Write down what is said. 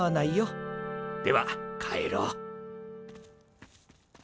では帰ろう。